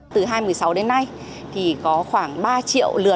từ hai nghìn một mươi sáu đến nay có khoảng ba chiếc xe thư viện liều động